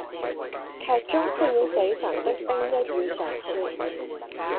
劇中飾演死神的丁一宇常說